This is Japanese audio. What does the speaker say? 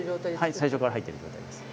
はい最初から入っている状態です。